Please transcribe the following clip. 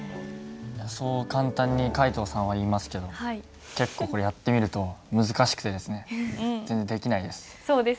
そう簡単に皆藤さんは言いますけど結構これやってみると難しくてですね全然できないです。